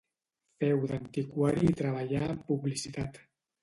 Féu d'antiquari i treballà en publicitat.